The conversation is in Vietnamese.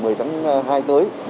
tôi sẽ có cái việc kế thừa